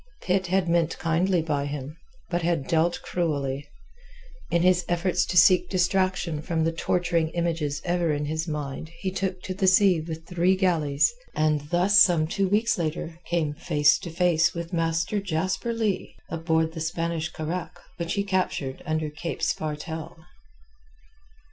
Pitt had meant kindly by him, but had dealt cruelly. In his efforts to seek distraction from the torturing images ever in his mind he took to the sea with three galleys, and thus some two weeks later came face to face with Master Jasper Leigh aboard the Spanish carack which he captured under Cape Spartel.